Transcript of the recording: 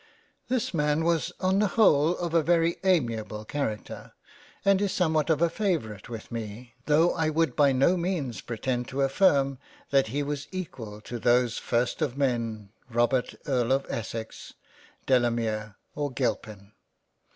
This Man was on the whole of a very amiable Character, and is somewhat of a favourite with me, tho' I would by no means pretend to affirm that he was equal to those first of Men Robert Earl of Essex, Delamere, or Gilpin.